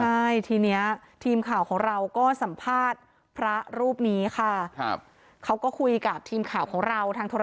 ใช่ทีนี้ทีมข่าวของเราก็สัมภาษณ์พระรูปนี้ค่ะ